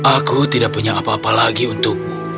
aku tidak punya apa apa lagi untukmu